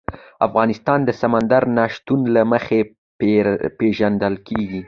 افغانستان د سمندر نه شتون له مخې پېژندل کېږي.